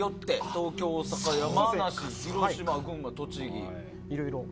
東京、大阪、山梨、群馬、栃木。